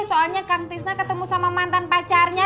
soalnya kang tisna ketemu sama mantan pacarnya